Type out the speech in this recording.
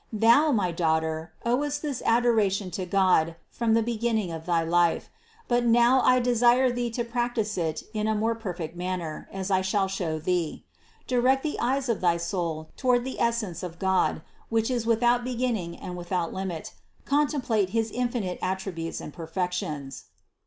Thou, my daughter, owest this adoration to God from the beginning of thy life ; but now I desire thee to practice it in a more perfect manner, as I shall show thee. Direct the eyes of thy soul toward the es sence of God, which is without beginning and without limit, contemplate his infinite attributes and perfections.